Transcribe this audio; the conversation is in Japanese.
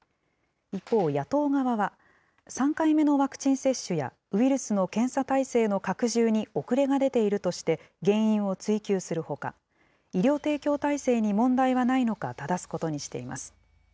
一方、野党側は、３回目のワクチン接種や、ウイルスの検査体制の拡充に遅れが出ているとして、原因を追及するほか、医療提供体制に問題はないのかただすことにしています。